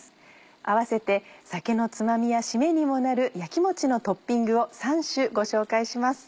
併せて酒のつまみや締めにもなる焼きもちのトッピングを３種ご紹介します。